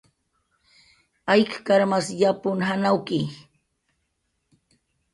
Ayk karmas yapun janawki